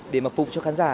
để phục cho khán giả